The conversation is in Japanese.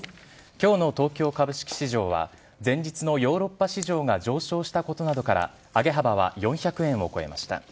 きょうの東京株式市場は、前日のヨーロッパ市場が上昇したことなどから、上げ幅は４００円を超えました。